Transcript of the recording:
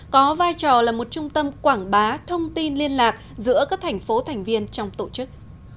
có vai trò là một trung tâm quảng bá thông tin liên lạc giữa các thành phố thành viên trong tổ chức